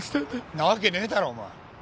んなわけねえだろお前。